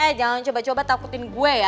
eh jangan coba coba takutin gue ya